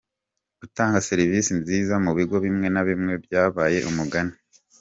Gutanga serivisi nziza mu bigo bimwe na bimwe byabaye umugani